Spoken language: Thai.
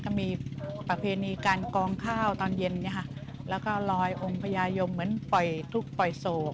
ก็มีประเพณีการกองข้าวตอนเย็นแล้วก็ลอยองค์พญายมเหมือนปล่อยทุกข์ปล่อยโศก